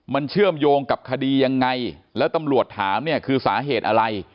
มันเชื่อมโยงกับคดียังไงแล้วตำรวจถามเนี่ยคือสาเหตุอะไร